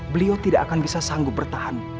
beliau tidak akan bisa sanggup bertahan